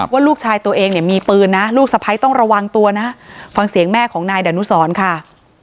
ว่าลูกชายตัวเองเนี่ยมีปืนนะลูกสะพ้ายต้องระวังตัวนะฟังเสียงแม่ของนายดานุสรค่ะ